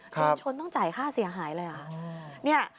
คนชนต้องจ่ายค่าเสียหายเลย